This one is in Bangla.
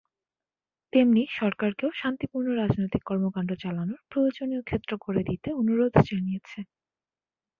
তেমনি সরকারকেও শান্তিপূর্ণ রাজনৈতিক কর্মকাণ্ড চালানোর প্রয়োজনীয় ক্ষেত্র করে দিতে অনুরোধ জানিয়েছে।